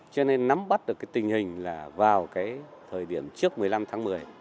cho nên nắm bắt được tình hình là vào thời điểm trước một mươi năm tháng một mươi